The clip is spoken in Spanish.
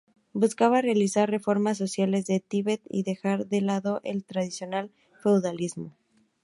Buscaba realizar reformas sociales en Tíbet y dejar de lado el tradicional feudalismo.